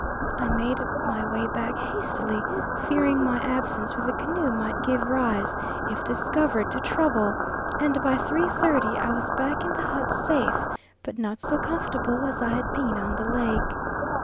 I made my way back hastily, fearing my absence with the canoe might give rise, if discovered, to trouble, and by 3.30 I was back in the hut safe, but not so comfortable as I had been on the lake.